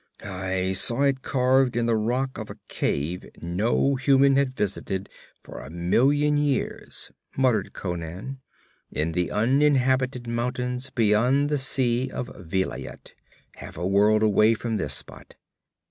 'I saw it carved in the rock of a cave no human had visited for a million years,' muttered Conan, 'in the uninhabited mountains beyond the Sea of Vilayet, half a world away from this spot.